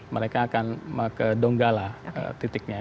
mereka akan ke donggala titiknya